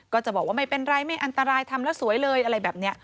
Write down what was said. ก็จะบอกว่าไม่เป็นไรไม่อันตรายทำแล้วสวยเลยอะไรแบบนี้